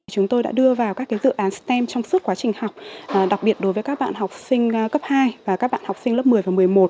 chúng tôi đã đưa vào các dự án stem trong suốt quá trình học đặc biệt đối với các bạn học sinh cấp hai và các bạn học sinh lớp một mươi và một mươi một